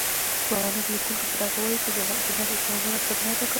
سوانح ليکونکي يې په ډاګه وايي، چې جناح اسلامي مناسک نه اداء کول.